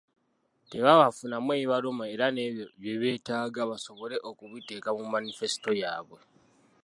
Tebabafunamu ebibaluma era n'ebyo bye beetaaga, basobole okubiteeka mu "Manifesto" yaabwe.